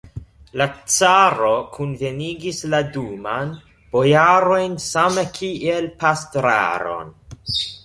La caro kunvenigis la Duma'n: bojarojn same kiel pastraron.